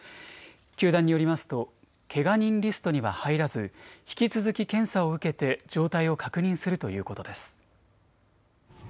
球団によりますとけが人リストには入らず引き続き検査を受けて状態を確認するということです。